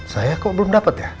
saya kok belum dapat ya